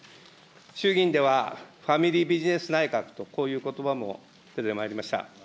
衆議院では、ファミリービジネス内閣と、こういうことばも出てまいりました。